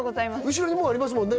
後ろにありますもんね